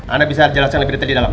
anda bisa jelasin lebih detil di dalam